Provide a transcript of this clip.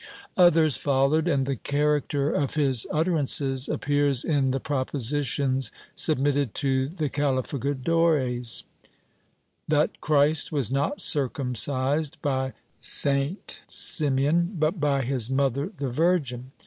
Others followed, and the character of his utterances appears in the propositions submitted to the calificadores :— That Christ was not circumcised by St. Simeon but by his mother the Virgin.